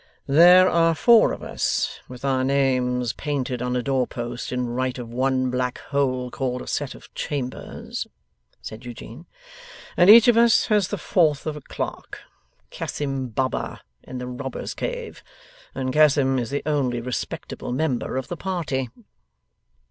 'There are four of us, with our names painted on a door post in right of one black hole called a set of chambers,' said Eugene; 'and each of us has the fourth of a clerk Cassim Baba, in the robber's cave and Cassim is the only respectable member of the party.